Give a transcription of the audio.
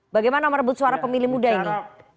bagaimana merebut suara pemilih muda ini